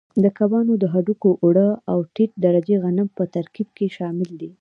د کبانو د هډوکو اوړه او ټیټ درجې غنم په ترکیب کې شامل دي.